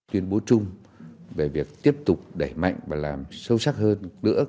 tuyên bố chung về việc tiếp tục đẩy mạnh và làm sâu sắc hơn nữa